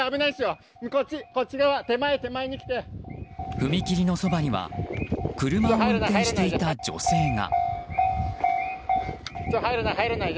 踏切のそばには車を運転していた女性が。